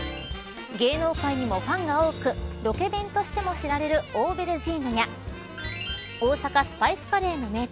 芸能界にもファンが多くロケ弁としても知られるオーベルジーヌや大阪スパイスカレーの名店